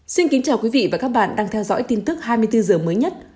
xin kính chào quý vị và các bạn đang theo dõi tin tức hai mươi bốn h mới nhất